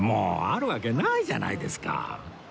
あるわけないじゃないですか